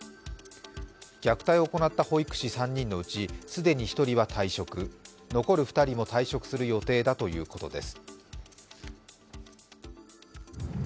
虐待を行った保育士３人のうち既に１人は退職、残る２人も退職する予定だということです。